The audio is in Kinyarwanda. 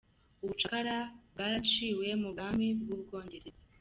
Ubucakara bwaraciwe mu bwami bw’ubwongereza.